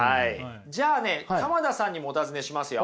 じゃあね鎌田さんにもお尋ねしますよ。